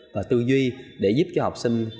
và tư duy để giúp cho học sinh